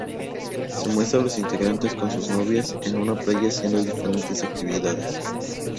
Se muestra a los integrantes con sus novias en una playa haciendo diferentes actividades.